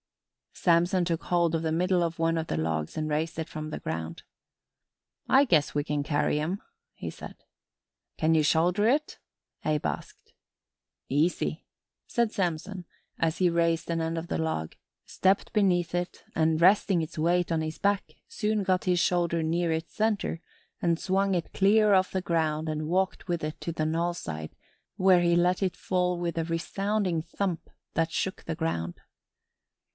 Samson took hold of the middle of one of the logs and raised it from the ground. "I guess we can carry 'em," he said. "Can ye shoulder it?" Abe asked. "Easy," said Samson as he raised an end of the log, stepped beneath it and, resting its weight on his back, soon got his shoulder near its center and swung it clear of the ground and walked with it to the knollside where he let it fall with a resounding thump that shook the ground.